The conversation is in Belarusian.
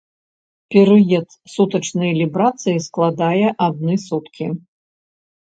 Перыяд сутачнай лібрацыі складае адны суткі.